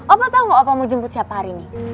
opa tau gak opa mau jemput siapa hari ini